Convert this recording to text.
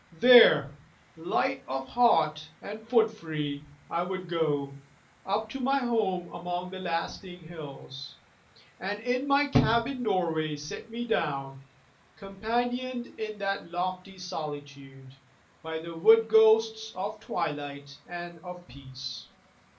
There, light of heart and footfree, I would go Up to my home among the lasting hills, And in my cabin doorway sit me down, Companioned in that leafy solitude By the wood ghosts of twilight and of peace.